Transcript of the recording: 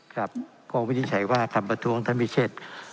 ครับก็วินิจฉัยว่าคำประท้วงท่านวิเชษ